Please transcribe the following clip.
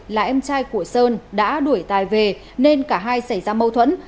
là em trai của sơn đã đuổi tài về nên cả hai xảy ra mâu thuẫn